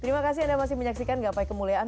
terima kasih anda masih menyaksikan gapai kemuliaan